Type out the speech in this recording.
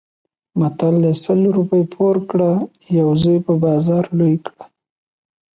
متل دی: سل روپۍ پور کړه یو زوی په بازار لوی کړه.